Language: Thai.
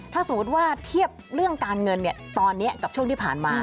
ถ้าสมมุติว่าเทียบเรื่องการเงินตอนนี้กับช่วงที่ผ่านมา